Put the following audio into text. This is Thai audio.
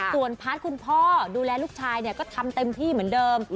ส่วนพาร์ทคุณพ่อดูแลลูกชายก็ทำเต็มที่เหมือนเดิม